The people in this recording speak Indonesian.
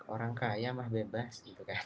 orang kaya mah bebas